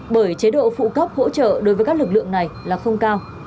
bởi chế độ phụ cấp hỗ trợ đối với các lực lượng này là không cao